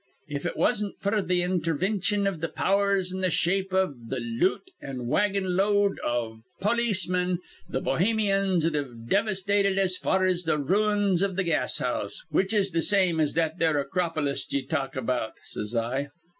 If it wasn't f'r th' intervintion iv th' powers in th' shape iv th' loot an' a wagon load iv polismin, th' Bohemians'd have devastated as far as th' ruins iv th' gas house, which is th' same as that there Acropulist ye talk about,' says I.